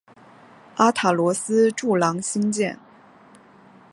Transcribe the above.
阿塔罗斯柱廊兴建。